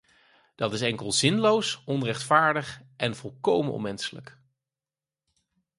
Dat is enkel zinloos, onrechtvaardig en volkomen onmenselijk.